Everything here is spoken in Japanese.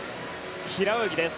平泳ぎです。